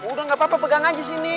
udah gak apa apa pegang aja sini